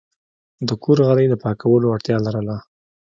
د کور غالی د پاکولو اړتیا لرله.